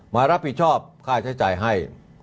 มารับผิดชอบค่าใช้จ่ายให้